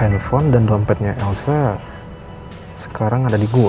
handphone dan dompetnya elsa sekarang ada di gua